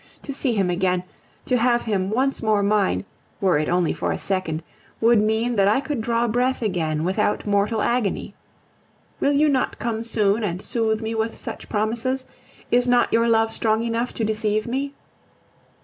To see him again, to have him once more mine, were it only for a second, would mean that I could draw breath again without mortal agony. Will you not come soon and soothe me with such promises? Is not your love strong enough to deceive me?